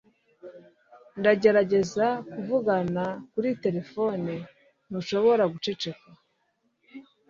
ndagerageza kuvugana kuri terefone. ntushobora guceceka